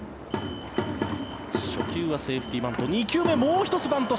初球はセーフティーバント。